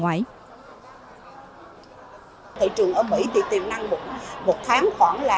nông tách nông